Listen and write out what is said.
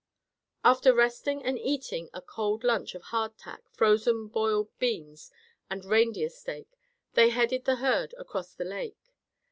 After resting and eating a cold lunch of hardtack, frozen boiled beans, and reindeer steak, they headed the herd across the lake.